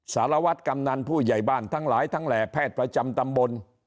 สารวัตรกำนันผู้ใหญ่บ้านทั้งหลายทั้งแหล่แพทย์ประจำตำบล